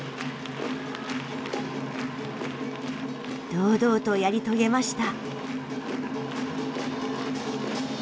堂々とやり遂げました。